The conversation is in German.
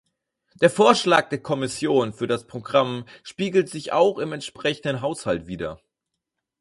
Der Vorschlag der Kommission für das Programm spiegelt sich auch im entsprechenden Haushalt wider.